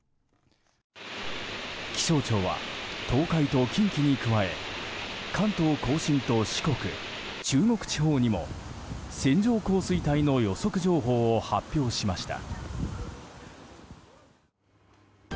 気象庁は東海と近畿に加え関東・甲信と四国・中国地方にも線状降水帯の予測情報を発表しました。